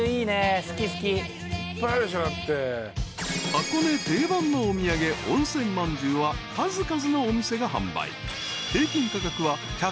［箱根定番のお土産温泉まんじゅうは数々のお店が販売］